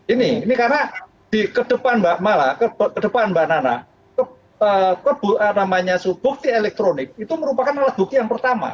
ini ini karena di ke depan mbak nana bukti elektronik itu merupakan alat bukti yang pertama